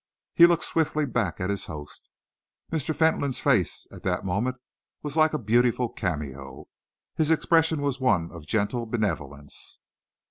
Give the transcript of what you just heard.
He looked swiftly back at his host. Mr. Fentolin's face, at that moment, was like a beautiful cameo. His expression was one of gentle benevolence.